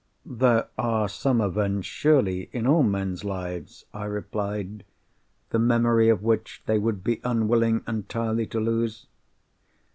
"There are some events surely in all men's lives," I replied, "the memory of which they would be unwilling entirely to lose?"